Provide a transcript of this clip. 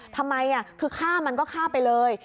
ทำไมคือฆ่ามันก็ฆ่าไปเลย